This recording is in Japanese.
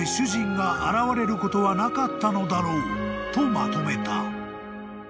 ［とまとめた］